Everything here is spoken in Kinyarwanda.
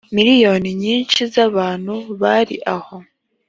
miliyoni nyinshi z’abantu bari aho